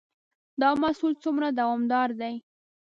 دا محصول څومره دوامدار دی؟